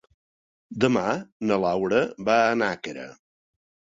Demà na Laura va a Nàquera.